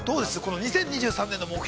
２０２３年の目標